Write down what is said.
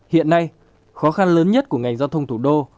hiện nay khó khăn lớn nhất của ngành giao thông thủ đô